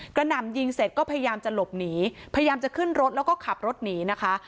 หน่ำยิงเสร็จก็พยายามจะหลบหนีพยายามจะขึ้นรถแล้วก็ขับรถหนีนะคะ